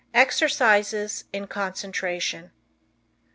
Exercises In Concentration.